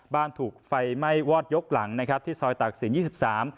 ถูกไฟไหม้วอดยกหลังนะครับที่ซอยตากศิลปยี่สิบสาม